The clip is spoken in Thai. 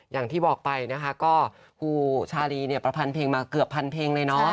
อย่างที่บอกไปนะคะก็ครูชาลีเนี่ยประพันเพลงมาเกือบพันเพลงเลยเนาะ